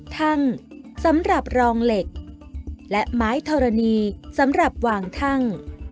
ทั่งสำหรับรองเหล็กและไม้ธรณีสำหรับวางทั่ง